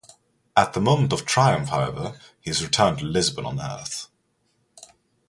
At the moment of triumph however he is returned to Lisbon on Earth.